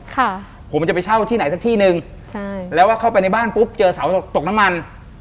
ค่ะผมจะไปเช่าที่ไหนสักที่หนึ่งใช่แล้วว่าเข้าไปในบ้านปุ๊บเจอเสาตกตกน้ำมัน